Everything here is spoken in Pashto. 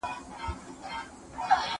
تاسو د مهربانۍ مستحق یاست.